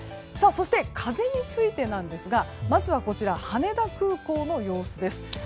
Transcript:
風についてなんですがまずは羽田空港の様子です。